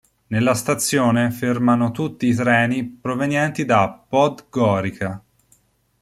Nella stazione fermano tutti i treni provenienti da Podgorica.